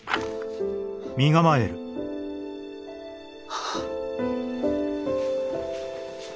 ・はあ。